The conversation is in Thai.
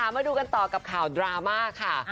มาดูกันต่อกับข่าวดราม่าค่ะ